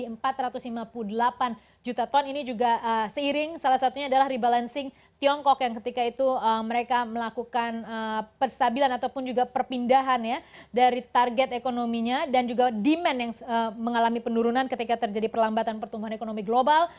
empat ratus lima puluh delapan juta ton ini juga seiring salah satunya adalah rebalancing tiongkok yang ketika itu mereka melakukan penstabilan ataupun juga perpindahan ya dari target ekonominya dan juga demand yang mengalami penurunan ketika terjadi perlambatan pertumbuhan ekonomi global